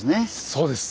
そうです。